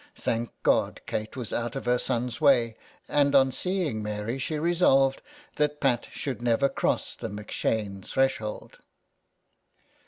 Thank God Kate was out of her son's way, and on seeing Mary she resolved that Pat should never cross the M'Shane's threshold.